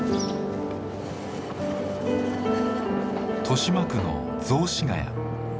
豊島区の雑司ヶ谷。